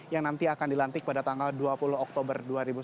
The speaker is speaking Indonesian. yang nanti akan dilantik pada tanggal dua puluh oktober dua ribu sembilan belas